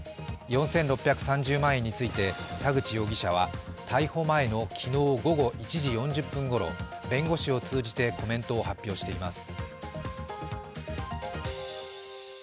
４６３０万円について、田口容疑者は逮捕前の昨日午後１時４０分ごろ弁護士を通じてコメントを発表しています。